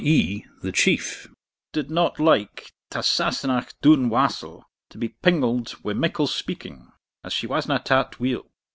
e. the Chief) did not like ta Sassenagh duinhe wassel to be pingled wi' mickle speaking, as she was na tat weel.'